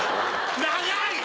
長い！